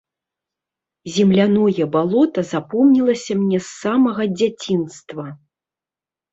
Земляное балота запомнілася мне з самага дзяцінства.